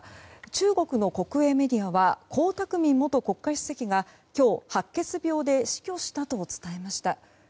中国の国営メディアは江沢民元国家主席が今日、白血病で死去したと伝えました。